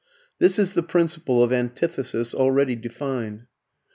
] This is the principle of antithesis already defined.